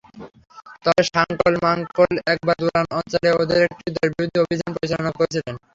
তবে শাংকল মাংকল একবার দুরান অঞ্চলে ওদের একটি দলের বিরুদ্ধে অভিযান পরিচালনা করেছিলেন।